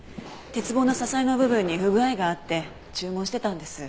鉄棒の支えの部分に不具合があって注文してたんです。